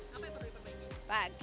apa yang perlu diperbaiki